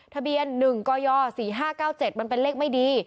ทะเบียน๑กย๔๕๙๗มันเป็นเลขไม่ดี